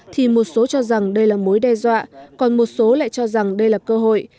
thì một số cho rằng đây là mối đe dọa còn một số lại cho rằng đây là cơ hội